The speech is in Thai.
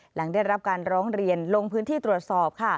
หลังได้รับการร้องเรียนลงพื้นที่ตรวจสอบค่ะ